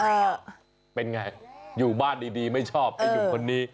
เป็นไงอยู่บ้านดีดีไม่ชอบไอ้หนุ่มคนนี้